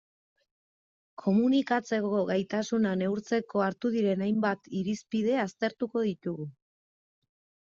Komunikatzeko gaitasuna neurtzeko hartu diren hainbat irizpide aztertuko ditugu.